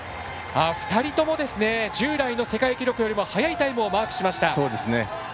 ２人とも従来の世界記録よりも速いタイムをマークしました。